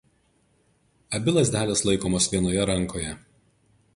Abi lazdelės laikomos vienoje rankoje.